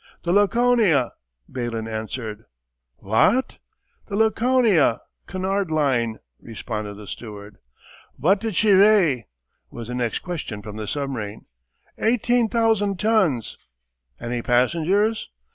"The Laconia," Ballyn answered. "Vot?" "The Laconia, Cunard Line," responded the steward. "Vot did she weigh?" was the next question from the submarine. "Eighteen thousand tons." "Any passengers?"